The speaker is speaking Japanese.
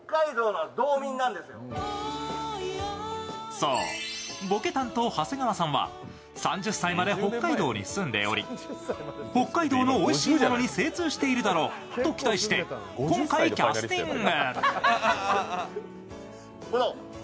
そう、ボケ担当長谷川さんは３０歳まで北海道に住んでおり北海道のおいしいものに精通しているだろうと期待して今回、キャスティング。